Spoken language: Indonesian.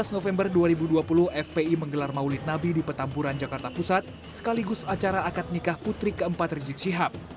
tujuh belas november dua ribu dua puluh fpi menggelar maulid nabi di petampuran jakarta pusat sekaligus acara akad nikah putri keempat rizik syihab